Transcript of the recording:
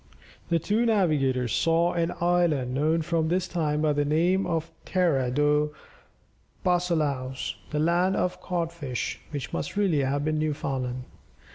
The two navigators saw an island known from this time by the name of Terra dos Bacalhaos the land of cod fish which must really have been Newfoundland.